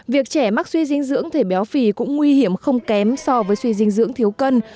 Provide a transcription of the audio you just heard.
việc trẻ mắc suy dinh dưỡng thể béo phì cũng nguy hiểm không kém so với suy dinh dưỡng thiếu cân